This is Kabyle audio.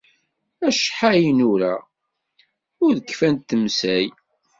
Acḥal nura, ur kfant temsal!